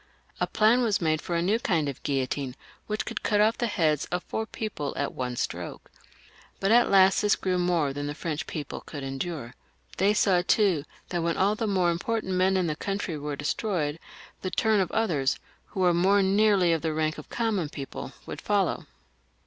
A plan was made for a new kind of guiUotine, which could cut off the heads of four people at one stroke. But at last this grew more than the French people could endure. They saw, too, that when aU the more important men in the country were destroyed, the turn of others, who were more nearly of the rank of common people, would follow.